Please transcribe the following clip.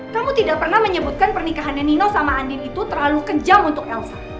kamu tidak pernah menyebutkan pernikahannya nino sama andin itu terlalu kejam untuk elsa